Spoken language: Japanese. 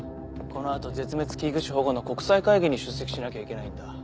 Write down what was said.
この後絶滅危惧種保護の国際会議に出席しなきゃいけないんだ。